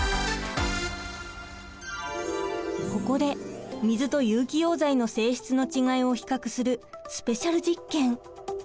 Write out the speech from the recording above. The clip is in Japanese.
ここで水と有機溶剤の性質の違いを比較するスペシャル実験！